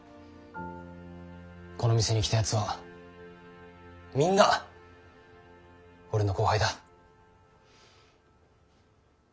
この店に来たやつはみんな俺の後輩だ。